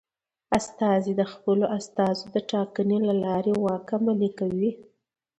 استازي د خپلو استازو د ټاکنې له لارې واک عملي کوي.